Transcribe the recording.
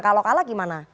kalau kalah gimana